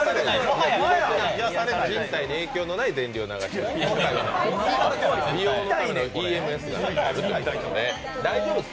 人体に影響のない電流を流しています。